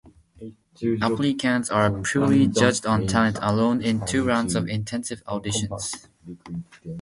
Applicants are purely judged on talent alone in two rounds of intensive auditions.